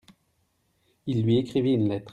Il lui écrivit une lettre.